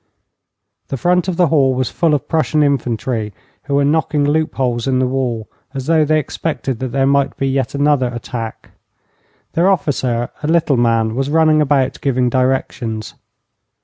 The front of the hall was full of Prussian infantry, who were knocking loopholes in the wall, as though they expected that there might be yet another attack. Their officer, a little man, was running about giving directions.